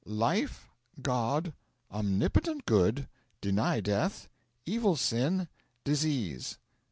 Life, God, omnipotent Good, deny death, evil sin, disease.